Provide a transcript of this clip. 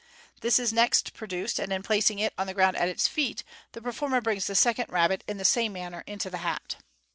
This is next pro duced, and in placing it on the ground at his feet, the performer brings the second rabbit in the same manner into the hat.